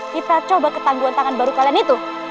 kita coba ketangguhan tangan baru kalian itu